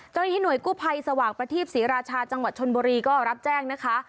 เจ้าหน้าที่หน่วยกู้ภัยสว่างประทีปศรีราชาจังหวัดชนบุรีก็รับแจ้งนะคะ